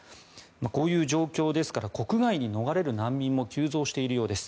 こういう状況ですから国外に逃れる難民も急増しているようです。